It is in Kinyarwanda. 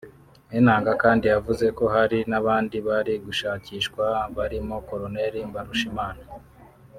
Enanga kandi yavuze ko hari n’abandi bari gushakishwa barimo Col Mbarushimana